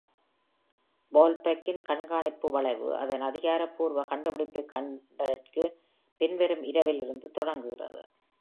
"Walbeck”-கின் கண்காணிப்பு வளைவு, அதன் அதிகாரப்பூர்வ கண்டுபிடிப்பைக் கண்டதற்கு பின்வரும் இரவிலிருந்து தொடங்குகிறது.